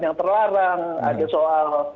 yang terlarang ada soal